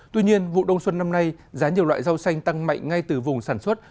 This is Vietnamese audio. tuy nhiên vụ đông xuân năm nay giá nhiều loại rau xanh tăng mạnh ngay từ vùng sản xuất